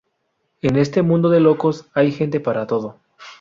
En este mundo de locos... hay gente para todo.